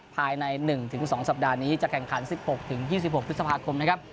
ภายใน๑๒สัปดาห์นี้จะแข่งขัน๑๖๒๖พฤษภาคมนะครับ